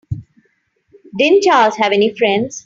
Didn't Charles have any friends?